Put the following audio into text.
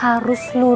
dua tahun setelah ini